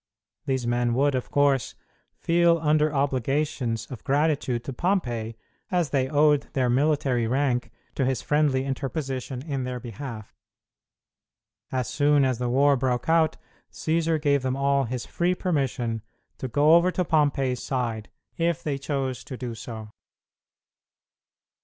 These men would, of course, feel under obligations of gratitude to Pompey as they owed their military rank to his friendly interposition in their behalf. As soon as the war broke out Cćsar gave them all his free permission to go over to Pompey's side if they chose to do so.